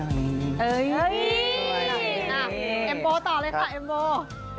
เอ็มโปต่อเลยค่ะเอ็มโบ